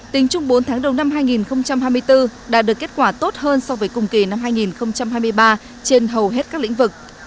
tính chung bốn tháng đầu năm hai nghìn hai mươi bốn đã được kết quả tốt hơn so với cùng kỳ năm hai nghìn hai mươi ba trên hầu hết các lĩnh vực